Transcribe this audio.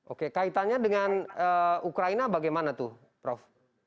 oke kaitannya dengan ukraina bagaimana tuh prof